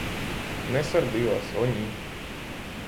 Не сердилась, о, ні!